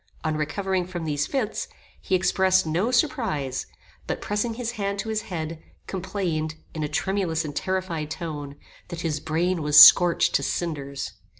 On recovering from these fits, he expressed no surprize; but pressing his hand to his head, complained, in a tremulous and terrified tone, that his brain was scorched to cinders.